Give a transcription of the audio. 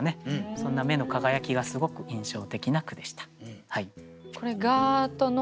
そんな目の輝きがすごく印象的な句でした。